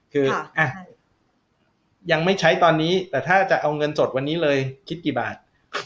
คือยังไม่ใช้ตอนนี้แต่ถ้าจะเอาเงินสดวันนี้เลยคิดกี่บาท